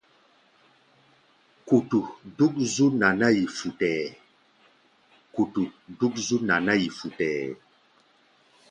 Kutu dúk zú naná-yi futɛɛ.